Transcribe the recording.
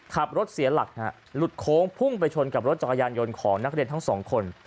ขับรถเสียหลักหลุดโค้งพุ่งไปชนกับรถจักรยานยนต์ของนักเรียนทั้งสองคน